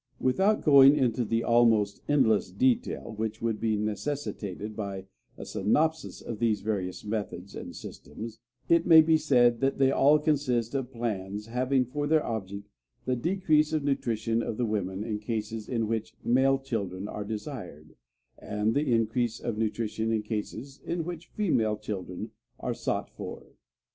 Without going into the almost endless detail which would be necessitated by a synopsis of these various methods and systems, it may be said that they all consist of plans having for their object the decrease of nutrition of the woman in cases in which male children are desired, and the increase of nutrition in cases in which female children are sought for.